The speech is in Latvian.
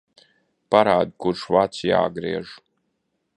Parādi, kurš vads jāgriež.